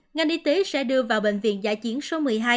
ngành y tế sẽ đưa vào bệnh viện giã chiến số một mươi hai